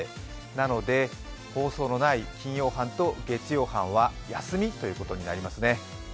なので、放送のない金曜班と月曜班は休みということになりますね。